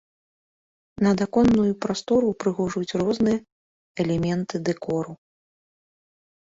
Надаконную прастору ўпрыгожваюць розныя элементы дэкору.